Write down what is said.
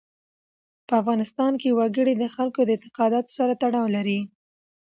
په افغانستان کې وګړي د خلکو د اعتقاداتو سره تړاو لري.